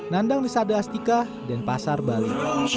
nandang di sada astika dan pasar bali